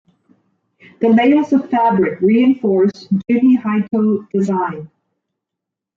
The layers of fabric reference Juni-hitoe design.